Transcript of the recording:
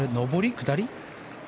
下り？